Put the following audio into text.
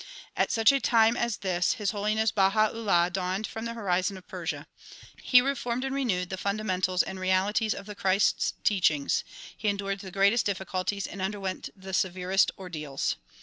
At such a time as this His Holiness Baha 'Ullaii dawned from the horizon of Persia. He reformed and renewed the fundamentals and realities of the Christ's teachings. He endured the greatest difficulties and underwent the severest ordeals.